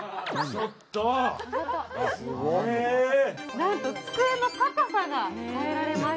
なんと机の高さが変えられます。